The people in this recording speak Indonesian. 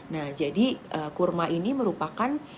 nah jadi kurma ini merupakan